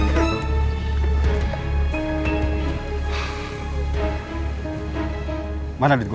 jangan sampai ada yang liat gue